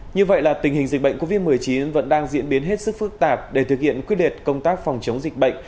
như vậy là tình hình dịch bệnh covid một mươi chín vẫn đang diễn biến hết sức phức tạp để thực hiện quyết liệt công tác phòng chống dịch bệnh